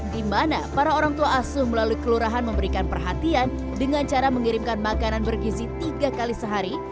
di mana para orang tua asuh melalui kelurahan memberikan perhatian dengan cara mengirimkan makanan bergizi tiga kali sehari